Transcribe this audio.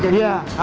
jadi pemungkus kuat